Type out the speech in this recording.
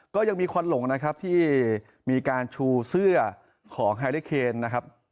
ก็ยังมีควันหลงนะครับที่มีการชูเสื้อของไฮริเคนนะครับ